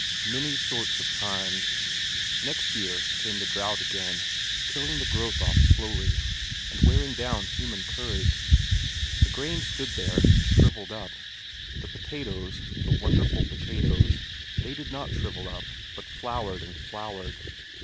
Many sorts of times. Next year came the drought again, killing the growth off slowly, and wearing down human courage. The corn stood there and shrivelled up; the potatoes the wonderful potatoes they did not shrivel up, but flowered and flowered.